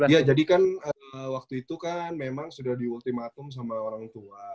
ya jadi kan waktu itu kan memang sudah di ultimatum sama orang tua